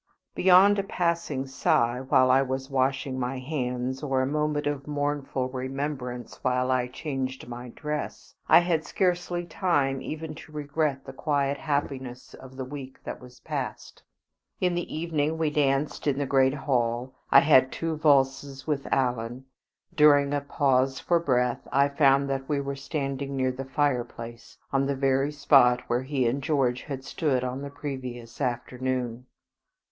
Beyond a passing sigh while I was washing my hands, or a moment of mournful remembrance while I changed my dress, I had scarcely time even to regret the quiet happiness of the week that was past. In the evening we danced in the great hall. I had two valses with Alan. During a pause for breath, I found that we were standing near the fireplace, on the very spot where he and George had stood on the previous afternoon.